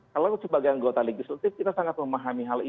kalau sebagai anggota legislatif kita sangat memahami hal ini